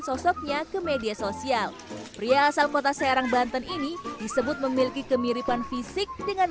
sosoknya ke media sosial pria asal kota serang banten ini disebut memiliki kemiripan fisik dengan